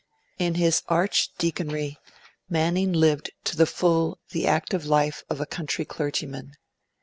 In his archdeaconry, Manning lived to the full the active life of a country clergyman.